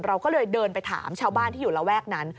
เราก็เลยเดินไปถามชาวบ้านที่อยู่ระแวกนั้น